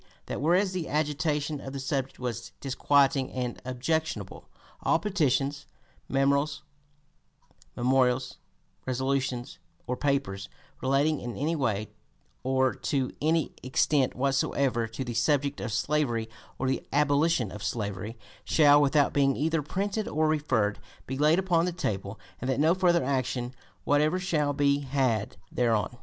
That whereas the agitation of the subject was disquieting and objectionable, "all petitions, memorials, resolutions or papers, relating in any way or to any extent whatsoever to the subject of slavery or the abolition of slavery, shall, without being either printed or referred, be laid upon the table, and that no further action whatever shall be had (p. 250) thereon."